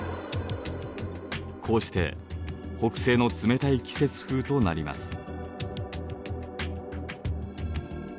こうして北西の冷たい季節風となります。